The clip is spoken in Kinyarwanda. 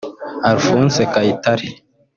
Alphonse Kayitayire